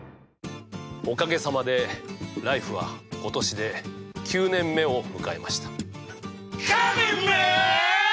おかげさまで「ＬＩＦＥ！」は今年で９年目を迎えました。